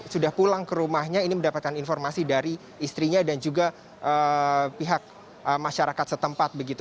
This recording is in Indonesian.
sudah pulang ke rumahnya ini mendapatkan informasi dari istrinya dan juga pihak masyarakat setempat begitu